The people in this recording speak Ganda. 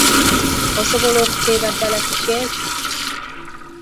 Osobola okuteeba ddala kiki ekyo?